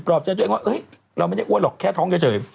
รอบใจตัวเองว่าเราไม่ได้อ้วนหรอกแค่ท้องเฉย